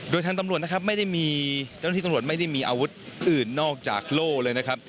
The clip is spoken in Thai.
โดยทางตำรวจนะครับไม่ได้มีเจ้าหน้าที่ตำรวจไม่ได้มีอาวุธอื่นนอกจากโล่เลยนะครับ